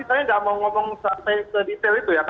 saya mau ngomong sampai ke detail itu ya